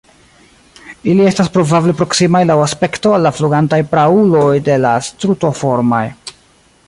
Ili estas probable proksimaj laŭ aspekto al la flugantaj prauloj de la Strutoformaj.